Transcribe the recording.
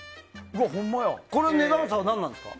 この値段差は何なんですか。